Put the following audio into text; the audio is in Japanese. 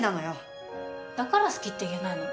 だから好きって言えないの？